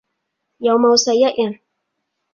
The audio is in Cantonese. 有冇四邑人